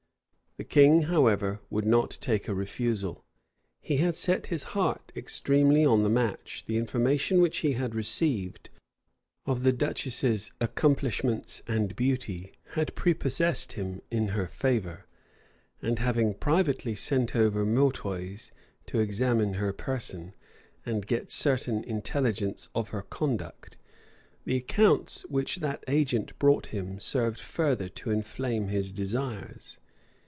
The king, however, would not take a refusal: he had set his heart extremely on the match: the information which he had received of the duchess's accomplishments and beauty, had prepossessed him in her favor; and having privately sent over Meautys to examine her person, and get certain intelligence of her conduct, the accounts which that agent brought him served further to inflame his desires.